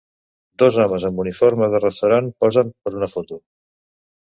Dos homes amb uniformes de restaurant posen per una foto.